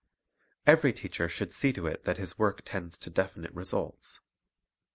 Every teacher should see to it that his work tends to definite results.